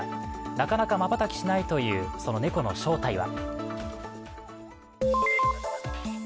なかなか瞬きしないという、その猫の正体は？